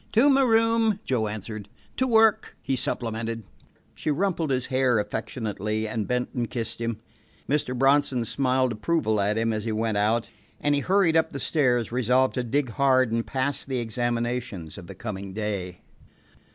"To my room," Joe answered. "To work," he supplemented. She rumpled his hair affectionately, and bent and kissed him. Mr. Bronson smiled approval at him as he went out, and he hurried up the stairs, resolved to dig hard and pass the examinations of the coming day.